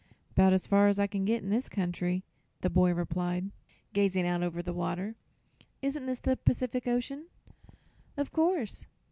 "'Bout as far as I can get, in this country," the boy replied, gazing out over the water. "Isn't this the Pacific Ocean?" "Of course."